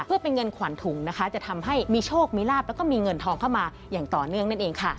เพื่อเป็นเงินขวัญถุงนะคะจะทำให้มีโชคมีลาบแล้วก็มีเงินทองเข้ามาอย่างต่อเนื่องนั่นเองค่ะ